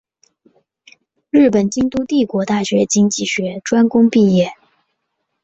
日本京都帝国大学经济学专攻毕业。